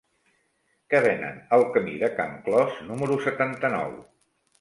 Què venen al camí de Can Clos número setanta-nou?